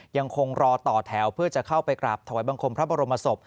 ยังคงรอต่อแถวเพื่อจะเข้าไปกราบถวายบังคมพระบรมศพ